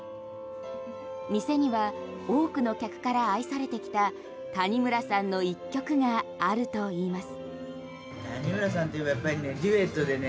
店には多くの客から愛されてきた谷村さんの１曲があるといいます。